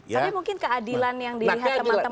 tapi mungkin keadilan yang dilihat teman teman juga itu